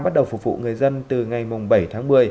bắt đầu phục vụ người dân từ ngày bảy tháng một mươi